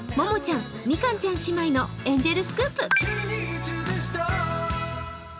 ももちゃん、みかんちゃん姉妹のエンジェルスクープ。